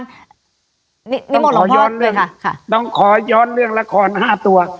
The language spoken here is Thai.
นี่นิโมหลังพอด้วยค่ะค่ะต้องขอย้อนเรื่องต้องขอย้อนเรื่องละครห้าตัว